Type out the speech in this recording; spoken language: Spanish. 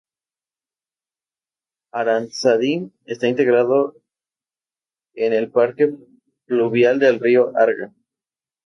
Aranzadi está integrado en el Parque fluvial del río Arga.